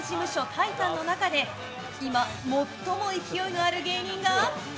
タイタンの中で今、最も勢いのある芸人が。